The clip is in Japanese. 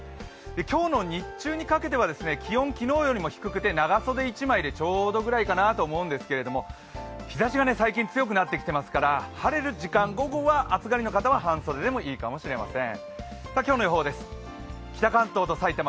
今日の日中にかけては、気温、昨日よりも低くて長袖１枚でちょうどぐらいかなと思うんですけど日ざしが最近強くなってきていますから、晴れる時間、午後は暑がりの方は半袖でもいいかもしれません。